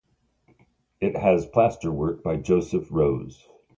It has plasterwork by Joseph Rose.